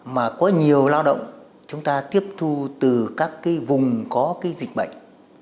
mà có nhiều lao động chúng ta tiếp thu từ các cái vùng có cái dịch bệnh